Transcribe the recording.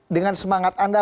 dengan semangat anda